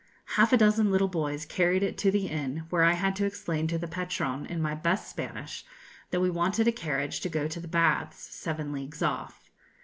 Half a dozen little boys carried it to the inn, where I had to explain to the patron, in my best Spanish, that we wanted a carriage to go to the baths, seven leagues off.